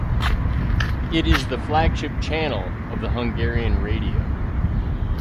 It is the flagship channel of the Hungarian Radio.